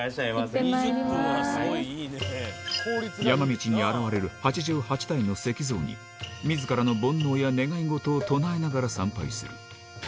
山道に現れる８８体の石像に、みずからの煩悩や願い事を唱えながら参拝する。